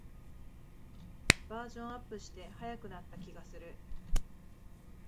バージョンアップして速くなった気がする